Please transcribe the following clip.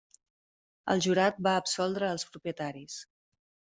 El jurat va absoldre els propietaris.